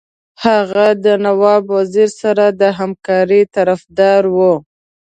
هغه د نواب وزیر سره د همکارۍ طرفدار وو.